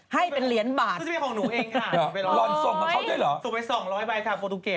ให้เป็นเหรียญบาทโอ้ยส่งไปเขาได้เหรอส่งไป๒๐๐ใบค่ะโฟตูเกรด